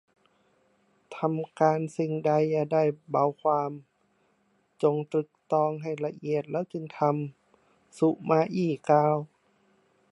ทำการสิ่งใดอย่าได้เบาความ จงตรึกตรองให้ละเอียดแล้วจึงทำ สุมาอี้กล่าว